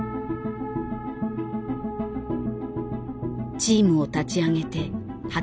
チームを立ち上げて８年。